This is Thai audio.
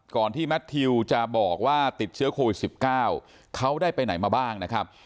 ที่แมททิวจะบอกว่าติดเชื้อโควิด๑๙เขาได้ไปไหนมาบ้างนะครับ